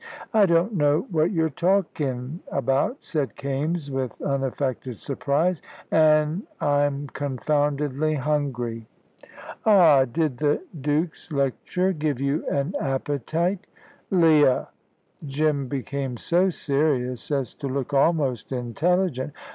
"I don't know what you're talkin' about," said Kaimes, with unaffected surprise, "an' I'm confoundedly hungry." "Ah! Did the Duke's lecture give you an appetite?" "Leah!" Jim became so serious as to look almost intelligent.